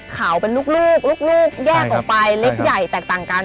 ขาวเป็นลูกลูกแยกออกไปเล็กใหญ่แตกต่างกัน